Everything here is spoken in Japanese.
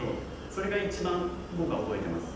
それが一番僕は覚えてます。